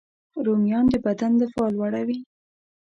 رومیان د بدن دفاع لوړوي